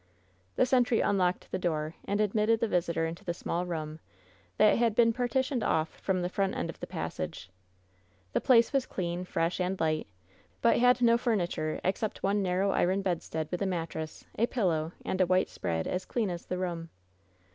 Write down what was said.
The sentry unlocked the door and admitted the visitor into the small room that had been partitioned off from the front end of the passage. The place was clean, fresh and light, but had no furni ture except one narrow iron bedstead with a mattress, a pillow and a white spread as clean as the room.